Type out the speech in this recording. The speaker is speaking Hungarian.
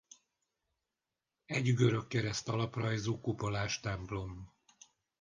Egy görög kereszt alaprajzú kupolás templom.